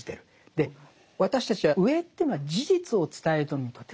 で私たちは上というのは事実を伝えるのにとても適してるんです。